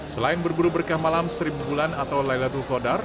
selain berburu berkah malam seribu bulan atau lailatul todar